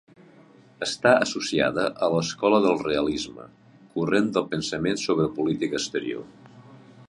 Està associada a l'escola del realisme, corrent de pensament sobre política exterior.